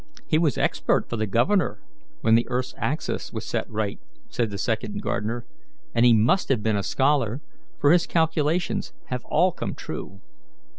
"He was expert for the Government when the earth's axis was set right," said the second gardener, "and he must have been a scholar, for his calculations have all come true.